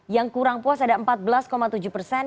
yang kurang puas ada empat belas tujuh persen